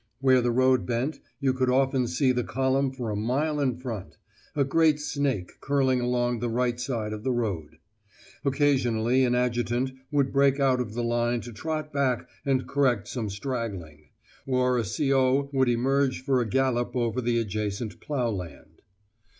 Where the road bent you could often see the column for a mile in front, a great snake curling along the right side of the road. Occasionally an adjutant would break out of the line to trot back and correct some straggling; or a C.O. would emerge for a gallop over the adjacent ploughland.